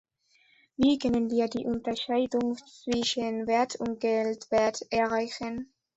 Wie können wir die Unterscheidung zwischen Wert und Geldwert erreichen?